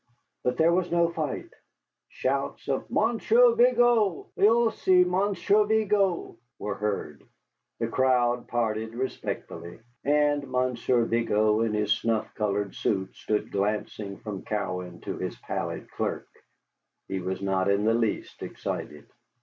But there was no fight. Shouts of "Monsieur Vigo! Voici Monsieur Vigo!" were heard, the crowd parted respectfully, and Monsieur Vigo in his snuff colored suit stood glancing from Cowan to his pallid clerk. He was not in the least excited.